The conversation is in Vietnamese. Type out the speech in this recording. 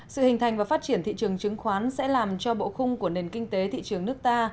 sự hình thành và phát triển thị trường chứng khoán sẽ làm cho bộ khung của nền kinh tế thị trường nước ta